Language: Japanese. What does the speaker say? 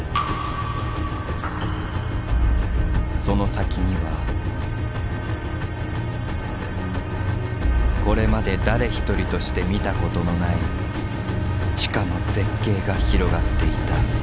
その先にはこれまで誰一人として見たことのない地下の絶景が広がっていた。